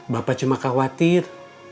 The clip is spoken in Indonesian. bapak cuma khawatir